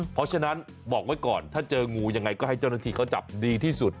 เพราะฉะนั้นบอกไว้ก่อนถ้าเจองูยังไงก็ให้เจ้าหน้าที่เขาจับดีที่สุด